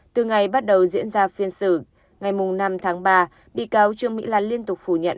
từ ngày bắt đầu diễn ra phiên xử ngày năm tháng ba bị cáo trương mỹ lan liên tục phủ nhận